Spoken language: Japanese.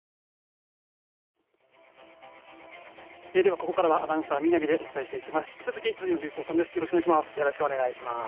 ここからはアナウンサー見浪でお伝えしていきます。